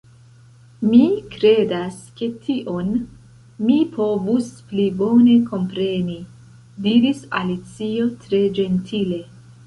"Mi kredas ke tion_ mi povus pli bone kompreni," diris Alicio tre ĝentile. "